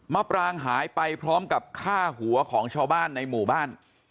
ปรางหายไปพร้อมกับฆ่าหัวของชาวบ้านในหมู่บ้าน